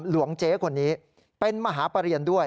หลวงเจ๊คนนี้เป็นมหาประเรียนด้วย